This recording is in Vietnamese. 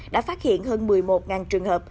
đã phát hiện hơn một mươi một trường hợp